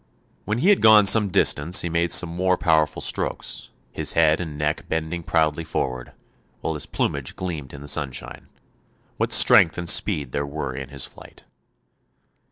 When he had gone some distance he made some more powerful strokes, his head and neck bending proudly forward, while his plumage gleamed in the sunshine. What strength and speed there were in his flight.